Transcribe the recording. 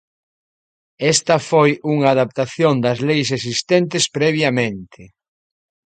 Esta foi unha adaptación das leis existentes previamente.